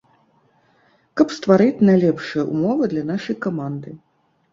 Каб стварыць найлепшыя умовы для нашай каманды.